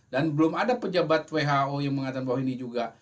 dan belum ada pejabat who yang mengatakan bahwa ini juga